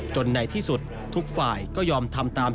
ในที่สุดทุกฝ่ายก็ยอมทำตาม